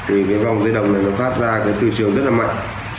vì cái vòng dây đồng này nó phát ra cái từ trường rất là mạnh